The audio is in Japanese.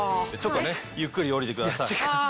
ちょっとゆっくり下りてください。